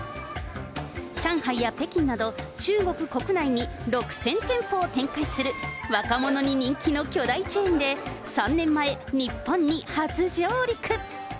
上海や北京など、中国国内に６０００店舗を展開する、若者に人気の巨大チェーンで、３年前、日本に初上陸。